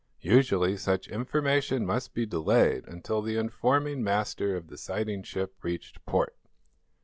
Usually, such information must be delayed until the informing master of the sighting ship reached port.